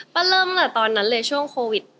ประเริ่มตอนนั้นเลยช่วงโควิด